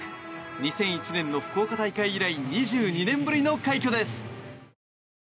２００１年の福岡大会以来２２年ぶりの快挙です。